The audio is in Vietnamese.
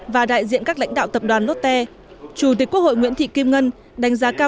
và đại diện các lãnh đạo tập đoàn lotte chủ tịch quốc hội nguyễn thị kim ngân đánh giá cao